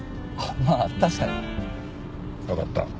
まあ確かに。わかった。